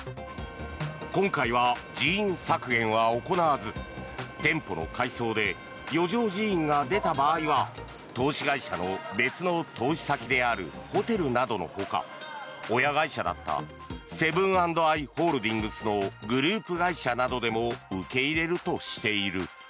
今回は人員削減は行わず店舗の改装で余剰人員が出た場合は投資会社の別の投資先であるホテルなどのほか親会社だったセブン＆アイ・ホールディングスのグループ会社などでも受け入れるとしている。